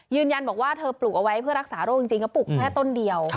ยืนยันบอกว่าเธอปลูกเอาไว้เพื่อรักษาโรคจริงก็ปลูกแค่ต้นเดียว